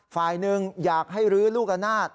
ฝ่ายหนึ่งอยากให้รื้อลูกอำนาจ